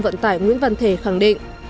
vận tải nguyễn văn thể khẳng định